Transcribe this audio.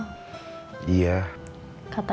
kata kang mus akang gak boleh balik lagi ke terminal